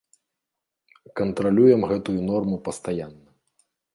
Кантралюем гэтую норму пастаянна.